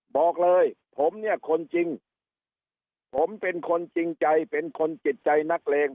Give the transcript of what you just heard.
บอกเลยผมเนี่ยคนจริงผมเป็นคนจริงใจเป็นคนจิตใจนักเลง